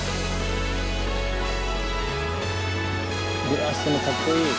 ブラスもかっこいい。